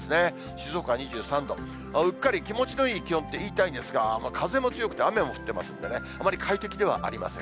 静岡２３度、うっかり気持ちのいい気温って言いたいんですが、風も強くて雨も降ってますんでね、あまり快適ではありません。